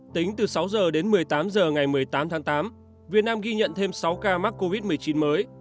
tính từ sáu h đến một mươi tám h ngày một mươi tám tháng tám việt nam ghi nhận thêm sáu ca mắc covid một mươi chín mới